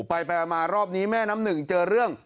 ไปมารอบนี้แม่น้ำหนึ่งเจอเรื่อง